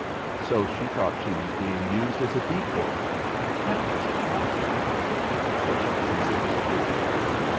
So she thought she was being used as a decoy! That was awful especially since it was true.